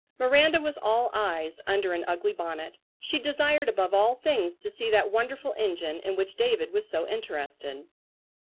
Miranda was all eyes, under an ugly bonnet. She desired above all things to see that wonderful engine in which David was so interested.